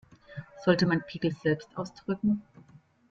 Sollte man Pickel selbst ausdrücken?